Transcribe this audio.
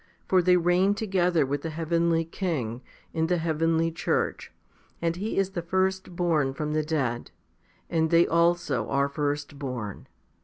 For they reign together with the heavenly King, in the heavenly church, and He is the firstborn from the dead* and they also are firstborn.